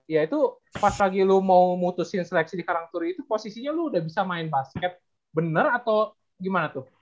ya itu pas lagi lo mau mutusin seleksi di karang turi itu posisinya lo udah bisa main basket bener atau gimana tuh